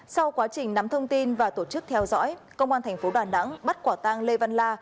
sau quá trình nắm thông tin và tổ chức theo dõi công an thành phố đà nẵng bắt quả tang lê văn la